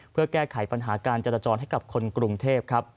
เพื่อแก้ไขปัญหาการจรจรให้กับคนกรุงเทพครับ